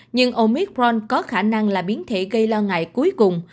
nhưng omicront có khả năng là biến thể gây lo ngại cuối cùng